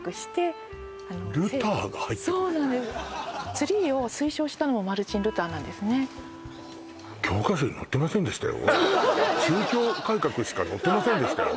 ツリーを推奨したのもマルティン・ルターなんですねそうなんですよ